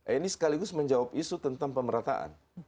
ini sekaligus menjawab isu tentang pemerataan